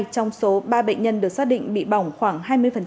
trong số ba bệnh nhân được xác định bị bỏng khoảng hai mươi